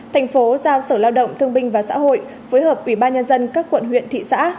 tp giao sở lao động thương binh và xã hội phối hợp ubnd các quận huyện thị xã